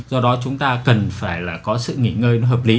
do đó chúng ta cần phải có sự nghỉ ngơi hợp lý